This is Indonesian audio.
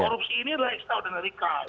korupsi ini adalah extraordinary crime